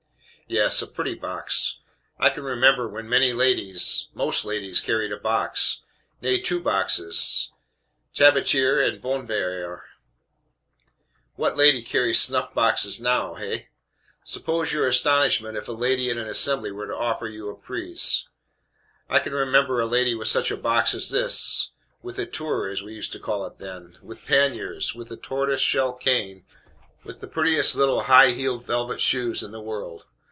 "Yes; a pretty box. I can remember when many ladies most ladies, carried a box nay, two boxes tabatiere and bonbonniere. What lady carries snuff box now, hey? Suppose your astonishment if a lady in an assembly were to offer you a prise? I can remember a lady with such a box as this, with a tour, as we used to call it then; with paniers, with a tortoise shell cane, with the prettiest little high heeled velvet shoes in the world!